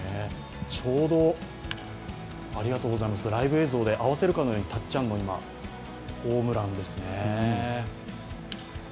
ちょうど今、ライブ映像で合わせるかのようにたっちゃんのホームランですね。